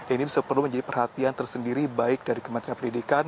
ini bisa perlu menjadi perhatian tersendiri baik dari kementerian pendidikan